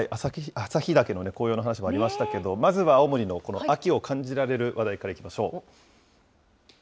旭岳の紅葉の話もありましたけれども、まずは青森の秋を感じられる話題からいきましょう。